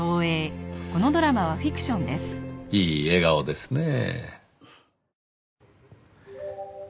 いい笑顔ですねぇ。